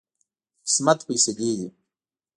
د قسمت فیصلې دي.